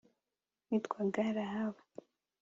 witwaga rahabu